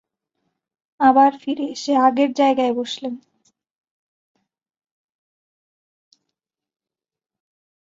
আবার ফিরে এসে আগের জায়গায় বসলেন।